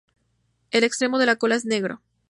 El extremo de la cola es negro.